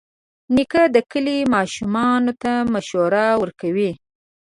نیکه د کلي ماشومانو ته مشوره ورکوي.